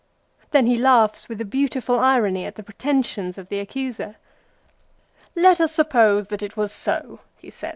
Then he laughs with a beautiful irony at the pretensions of the accuser. " Let us suppose that it was so," he says.